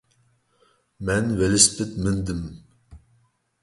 مەن ۋېلىسىپىت مىندىم.